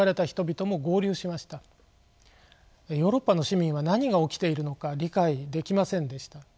ヨーロッパの市民は何が起きているのか理解できませんでした。